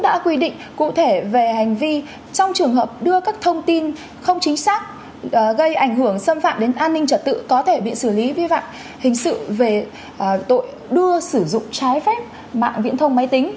đã quy định cụ thể về hành vi trong trường hợp đưa các thông tin không chính xác gây ảnh hưởng xâm phạm đến an ninh trật tự có thể bị xử lý vi phạm hình sự về tội đưa sử dụng trái phép mạng viễn thông máy tính